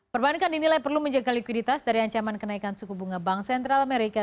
perbankan dinilai perlu menjaga likuiditas dari ancaman kenaikan suku bunga bank sentral amerika